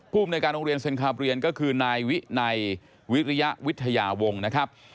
ภูมิในการโรงเรียนเซ็นคาเบียนก็คือนายวินัยวิริยวิทยาวงศ์นะครับ